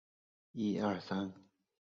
该庙由功德林寺的喇嘛管理。